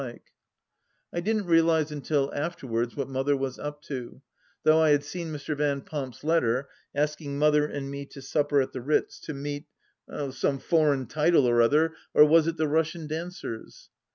THE LAST DITCH 47 I didn't realize until afterwards what Mother was up to, though I had seen Mr. Van Pomp's letter, asking Mother and me to supper at the Ritz to meet — some foreign title or other, or was it the Russian Dancers